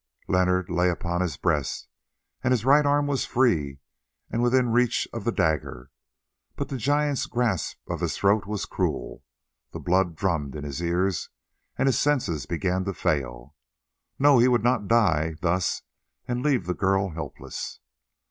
Leonard lay upon his breast, and his right arm was free and within reach of the dagger. But the giant's grasp of his throat was cruel; the blood drummed in his ears and his senses began to fail. No, he would not die thus and leave the girl helpless.